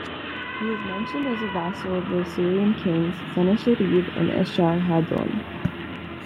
He is mentioned as a vassal of the Assyrian kings Sennacherib and Esarhaddon.